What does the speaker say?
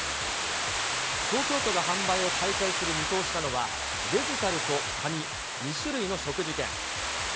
東京都が販売を再開する見通しなのは、デジタルと紙、２種類の食事券。